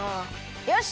よし！